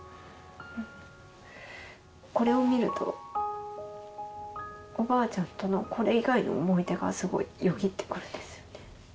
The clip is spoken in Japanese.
うんこれを見るとおばあちゃんとのこれ以外の思い出がすごいよぎってくるんですよね